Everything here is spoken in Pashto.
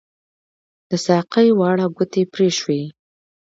د ساقۍ واړه ګوتې پري شوي